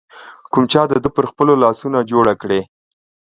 کوم چا د ده پر خپلو لاسونو جوړه کړې